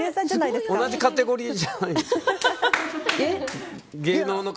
同じカテゴリーじゃないの？